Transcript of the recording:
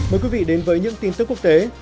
mời quý vị đến với những tin tức quốc tế